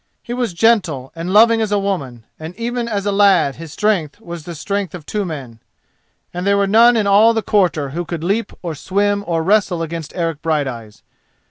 He was gentle and loving as a woman, and even as a lad his strength was the strength of two men; and there were none in all the quarter who could leap or swim or wrestle against Eric Brighteyes.